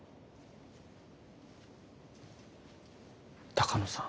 鷹野さん